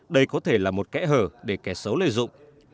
đây có thể là một kẽ hở để kẻ xấu lợi dụng